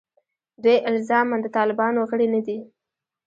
دوی الزاماً د طالبانو غړي نه دي.